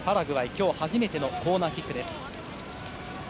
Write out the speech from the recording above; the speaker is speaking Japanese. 今日初めてのコーナーキックです。